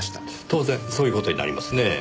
当然そういう事になりますねぇ。